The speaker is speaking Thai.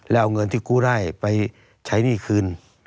แล้วเอาเงินที่กู้ได้ไปใช้หนี้คืน